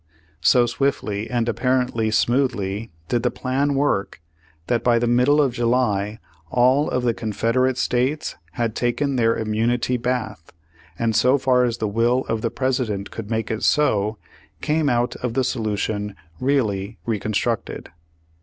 So swiftly and ap parently smoothly did the plan work that by the middle of July all of the Confederate States had taken their immunity bath, and so far as the will of the President could make it so, came out of the solution reallj' Reconstructed.